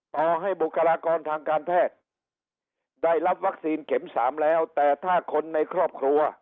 ต่อให้บุคลากรทางการแพทย์ได้รับวัคซีนเข็มสามแล้วแต่ถ้าคนในครอบครัว